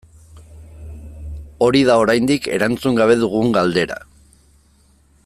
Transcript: Hori da oraindik erantzun gabe dugun galdera.